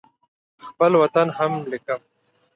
خپل وطن هم لیکم.